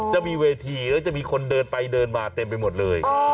จะมีเวทีแล้วจะมีคนเดินไปเดินมาเต็มไปหมดเลย